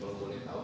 kalau boleh tahu